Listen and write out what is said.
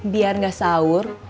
biar ga sahur